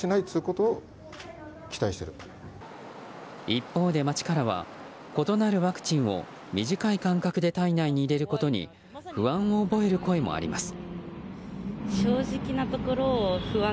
一方で街からは異なるワクチンを短い間隔で体内に入れることに不安を覚える声もあります。